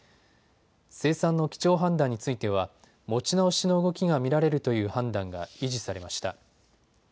生産の基調判断については持ち直しの動きが見られるという判断が維持されました。